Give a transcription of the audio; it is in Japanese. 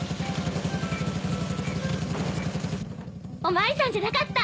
おまわりさんじゃなかった。